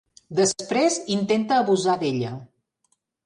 Després intenta abusar d'ella.